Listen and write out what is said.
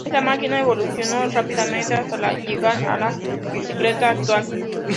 Esta máquina, evolucionó rápidamente hasta llegar a la bicicleta actual.